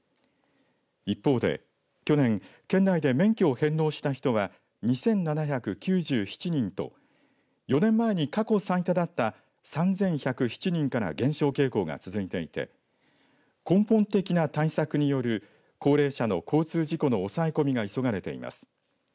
一方で、去年県内で免許を返納した人は２７９７人と４年前に過去最多だった３１０７人から減少傾向が続いていて根本的な対策による高齢者の交通事故の抑え込みが急がれています。